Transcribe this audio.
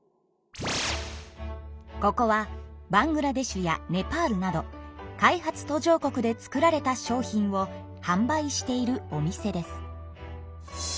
ここはバングラデシュやネパールなど開発途上国で作られた商品をはん売しているお店です。